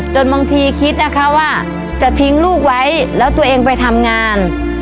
บางทีคิดนะคะว่าจะทิ้งลูกไว้แล้วตัวเองไปทำงาน